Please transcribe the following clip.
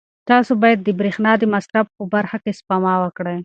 تاسو باید د برېښنا د مصرف په برخه کې سپما وکړئ.